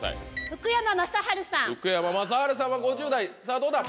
福山雅治さんは５０代どうだ？